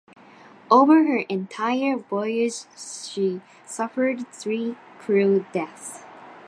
Over her entire voyage she suffered three crew deaths.